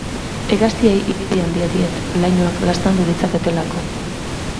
Hegaztiei inbidia handia diet lainoak laztandu ditzaketelako.